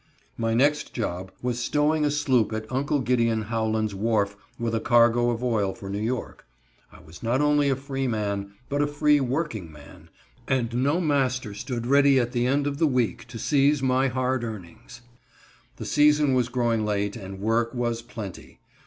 My next job was stowing a sloop at Uncle Gid. Howland's wharf with a cargo of oil for New York. I was not only a freeman, but a free working man, and no "master" stood ready at the end of the week to seize my hard earnings. The season was growing late and work was plenty.